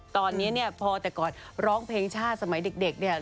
ตอนนี้เนี่ยพอแต่ก่อนร้องเพลงชาติสมัยเด็กเนี่ย